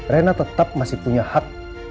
rena tetap masih punya hak